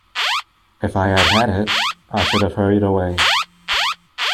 If I had had it, I should have hurried away.